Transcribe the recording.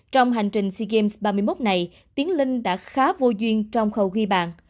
trong hành trình sea games ba mươi một này tiếng lên đã khá vô duyên trong khẩu ghi bàn